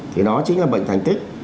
thì đó chính là bệnh thành tích